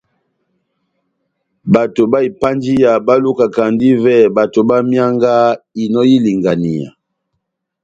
Bato bá ipanjiya bá lukakandi ivɛ bato bá mianga inò y'ilinganiya.